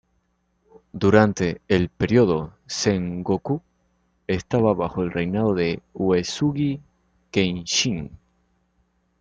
Durante el período Sengoku estaba bajo el reinado de Uesugi Kenshin.